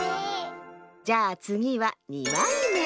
じゃあつぎは２まいめ。